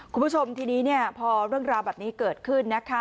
คุณผู้ชมทีนี้พอเรื่องราวแบบนี้เกิดขึ้นนะคะ